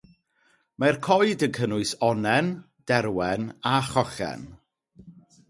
Mae'r coed yn cynnwys onnen, derwen a chollen.